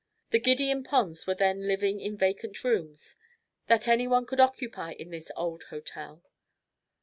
The Gideon Ponds were then living in vacant rooms that anyone could occupy in this old hotel.